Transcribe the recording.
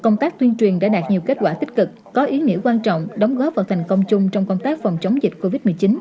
công tác tuyên truyền đã đạt nhiều kết quả tích cực có ý nghĩa quan trọng đóng góp vào thành công chung trong công tác phòng chống dịch covid một mươi chín